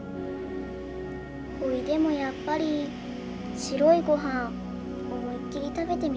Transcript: ほいでもやっぱり白いごはん思いっきり食べてみたい。